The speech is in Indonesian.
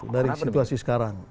dari situasi sekarang